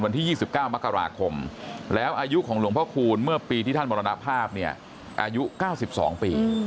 วันที่๒๙มกราคมแล้วอายุของหลวงพ่อคูณเมื่อปีที่ท่านมรณภาพเนี่ยอายุ๙๒ปี